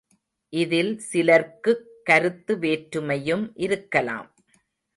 இதில் சிலர்க்குக் கருத்து வேற்றுமையும் இருக்கலாம்.